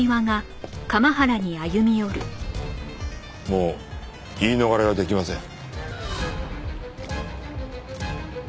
もう言い逃れはできません。